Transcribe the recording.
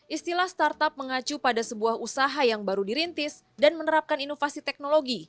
istilah startup mengacu pada sebuah usaha yang baru dirintis dan menerapkan inovasi teknologi